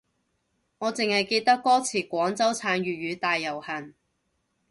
我淨係記得歌詞廣州撐粵語大遊行